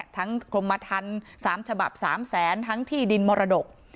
ทั้งคลมมะทัน๓ฉบับ๓แสนทั้งที่ดินมรดก